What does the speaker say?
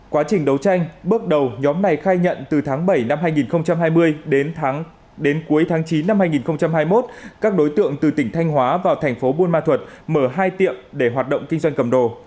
quá trình đấu tranh bước đầu nhóm này khai nhận từ tháng bảy năm hai nghìn hai mươi đến cuối tháng chín năm hai nghìn hai mươi một các đối tượng từ tỉnh thanh hóa vào thành phố buôn ma thuật mở hai tiệm để hoạt động kinh doanh cầm đồ